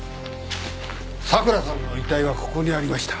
桜さんの遺体はここにありました。